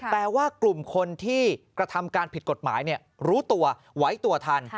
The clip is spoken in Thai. แต่ว่ากลุ่มคนที่กระทำการผิดกฎหมายรู้ตัวไว้ตัวทัน